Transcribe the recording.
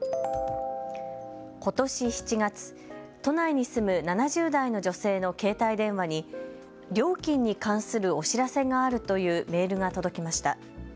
ことし７月、都内に住む７０代の女性の携帯電話に料金に関するお知らせがあるというメールが届きました。